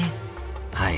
はい。